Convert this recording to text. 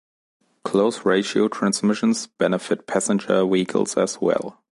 Close-ratio transmissions benefit passenger vehicles as well.